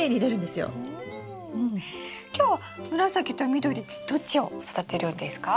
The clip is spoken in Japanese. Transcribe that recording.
今日は紫と緑どっちを育てるんですか？